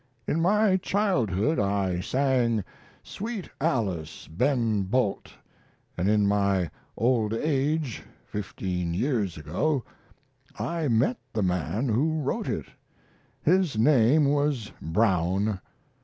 "In my childhood I sang 'Sweet Alice, Ben Bolt,' and in my old age, fifteen years ago, I met the man who wrote it. His name was Brown.